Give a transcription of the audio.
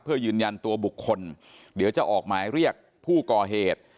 เพื่อยืนยันตัวบุคคลเดี๋ยวจะออกหมายเรียกผู้ก่อเหตุ